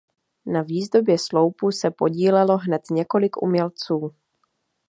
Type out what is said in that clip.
Na výzdobě sloupu se podílelo hned několik umělců.